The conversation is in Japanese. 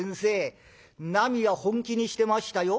なみは本気にしてましたよ。